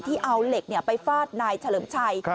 เอาเหล็กไปฟาดนายเฉลิมชัย